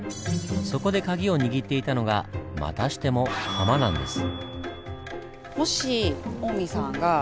そこで鍵を握っていたのがまたしてもハマなんです。